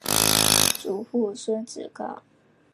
祖父孙子高。